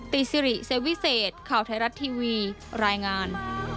ซิริเซวิเศษข่าวไทยรัฐทีวีรายงาน